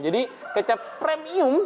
jadi kecap premium